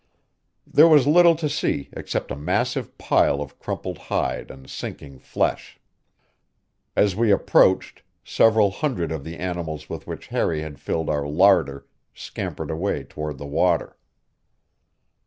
There was little to see except a massive pile of crumpled hide and sinking flesh. As we approached, several hundred of the animals with which Harry had filled our larder scampered away toward the water.